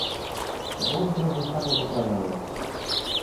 Błąd ten zostanie poprawiony